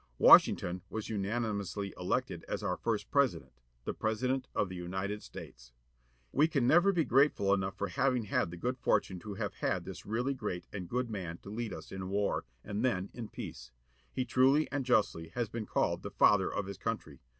Washington was unanimously elected as our first President â the President of the United States. We can never be grateful enough for having had the good fortune to have had this really great and good man to lead us in war, and then in peace. He truly and ii|,|ji|( justly has been called the Father of his country.